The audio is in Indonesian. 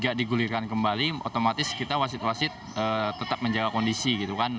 jika digulirkan kembali otomatis kita wasit wasit tetap menjaga kondisi gitu kan